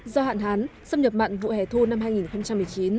do hạn hán xâm nhập mặn vụ hẻ thu năm hai nghìn một mươi chín